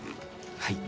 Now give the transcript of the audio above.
はい。